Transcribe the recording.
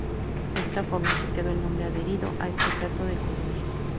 De esta forma se quedó el nombre adherido a este plato de Colonia.